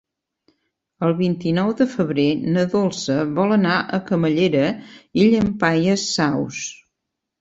El vint-i-nou de febrer na Dolça vol anar a Camallera i Llampaies Saus.